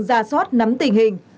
giả soát nắm tình hình